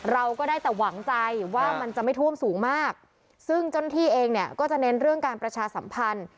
เราก็ได้แต่หวังใจว่ามันจะไม่ท่วมสูงมากซึ่งเจ้าหน้าที่เองเนี่ยก็จะเน้นเรื่องการประชาสัมพันธ์